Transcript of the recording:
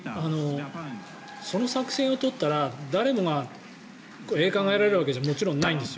その作戦を取ったら誰もが栄冠を得られるわけじゃもちろんないんです。